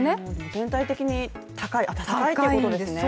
全体的に高いということですね。